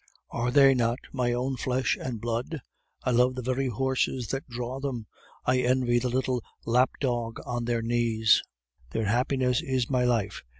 "Are they not my own flesh and blood? I love the very horses that draw them; I envy the little lap dog on their knees. Their happiness is my life.